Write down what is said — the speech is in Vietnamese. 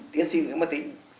tiến sư nguyễn bất tĩnh